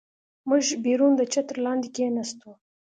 موږ بیرون د چتر لاندې کېناستو.